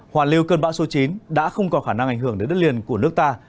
hoàn liêu cơn bão số chín đã không có khả năng ảnh hưởng đến đất liền của nước ta